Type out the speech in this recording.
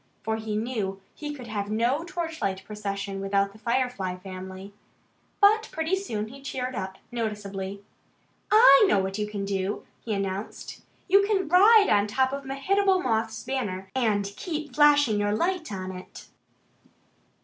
For he knew he could have no torchlight procession without the Firefly family. But pretty soon he cheered up noticeably. "I know what you can do!" he announced. "You can ride on top of Mehitable Moth's banner and keep flashing your light on it!"